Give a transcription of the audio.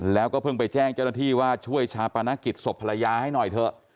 แล้วก็เพิ่งไปแจ้งเจ้าหน้าที่ว่าช่วยชาปนกิจศพภรรยาให้หน่อยเถอะ